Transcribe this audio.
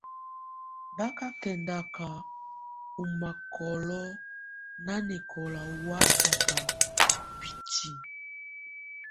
Bá kà kɛndaka ù makɔ̀lɔ̀ nanɛkɔla ù wakaka ù bǝ́tinǝ́.